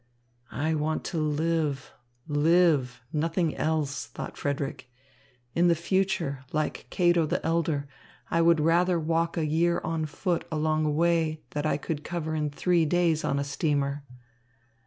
"I want to live, live, nothing else," thought Frederick. "In the future, like Cato the Elder, I would rather walk a year on foot along a way that I could cover in three days on a steamer."